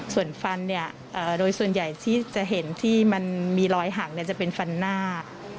ส่วนฟันโดยส่วนใหญ่ที่จะเห็นที่มันมีรอยหักจะเป็นฟันหน้า